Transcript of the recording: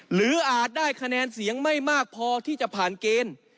อาจได้คะแนนเสียงไม่มากพอที่จะผ่านเกณฑ์